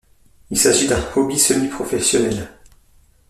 Il s'agit d'un hobby semi-professionnel.